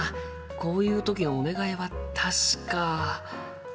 こういう時のお願いは確か。